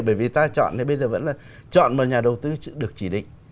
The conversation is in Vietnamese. bởi vì ta chọn thì bây giờ vẫn là chọn mà nhà đầu tư được chỉ định